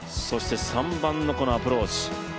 そして３番のアプローチ。